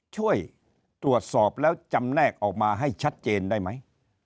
ช่วยตรวจสอบแล้วจำแนกออกมาให้ชัดเจนได้ไหม